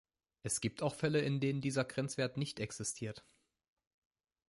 Es gibt auch Fälle, in denen dieser Grenzwert nicht existiert.